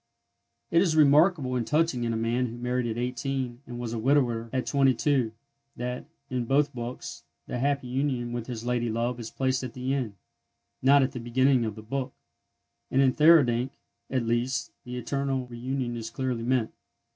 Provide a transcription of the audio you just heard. It is remarkable and touching in a man who married at eighteen, and was a widower at twenty two, that, in both books, the happy union with his lady love is placed at the end—not at the beginning of the book; and in Theurdank, at least, the eternal reunion is clearly meant.